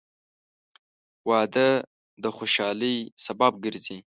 • واده د خوشحالۍ سبب ګرځي.